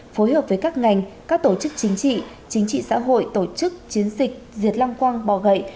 phối hợp với các ngành các tổ chức chính trị chính trị xã hội tổ chức chiến dịch diệt long quang bọ gậy